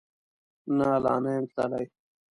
نه، لا نه یم تللی